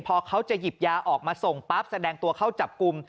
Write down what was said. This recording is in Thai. พอเขาจะหยิบยาออกมาส่งปั๊บแสดงตัวเข้าจับกลุ่ม